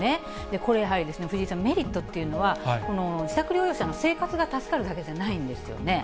これ、やはり藤井さん、メリットというのは、この自宅療養者の生活が助かるだけじゃないんですよね。